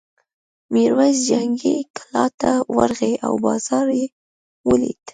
میرويس جنګي کلا ته ورغی او بازار یې ولید.